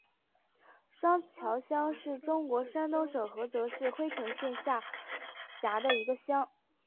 双桥乡是中国山东省菏泽市郓城县下辖的一个乡。